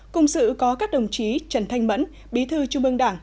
cùng sự có các đồng chí trần thanh mẫn bí thư trung ương đảng